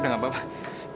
udah nggak apa apa